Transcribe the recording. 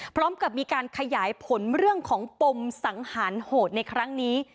พร้อมกับมีการขยายผลเรื่องของปมสังหารโหดในครั้งนี้